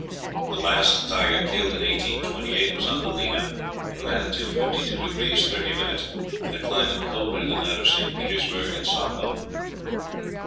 "The last tiger killed in 1828 was on the Lena, in latitude fifty two degrees thirty minutes, in a climate colder than that of St. Petersburg and Stockholm."